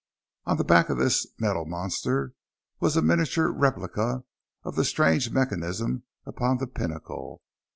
On the back of this metal monster was a miniature replica of the strange mechanism upon the pinnacle.